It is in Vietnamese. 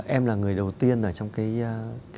em là người đầu tiên ở trong cái